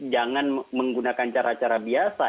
jangan menggunakan cara cara biasa